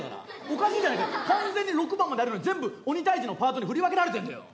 おかしいじゃねえか完全に６番まであるのに全部鬼退治のパートに振り分けられてんだよ。